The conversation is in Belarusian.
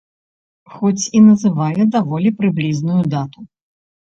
Хоць і называе даволі прыблізную дату.